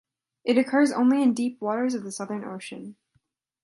It occurs only in deep waters of the Southern Ocean.